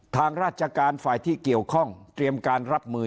ทางราชการฝ่ายที่เกี่ยวข้องเตรียมการรับมือ